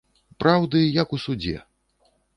Праўды, як у судзе